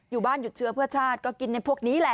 อยู่บ้านหยุดเชื้อเพื่อชาติก็กินในพวกนี้แหละ